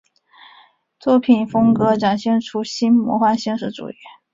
作品风格展现新魔幻现实主义。